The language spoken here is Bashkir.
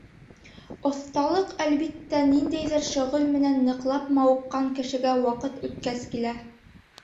Оҫталыҡ, әлбиттә, ниндәйҙер шөғөл менән ныҡлап мауыҡҡан кешегә ваҡыт үткәс килә.